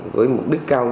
với mục đích cao nhất